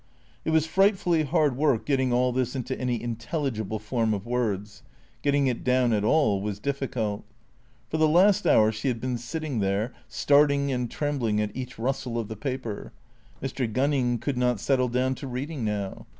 It was frightfully hard work getting all this into any intel ligible form of words; getting it down at all was difficult. For the last hour she had been sitting there, starting and trem bling at each rustle of the paper. Mr. Gunning could not settle down to reading now.